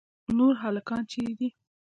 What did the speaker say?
نور هلکان چیرې دي.